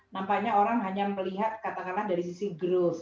nampaknya orang hanya melihat katakanlah dari sisi growth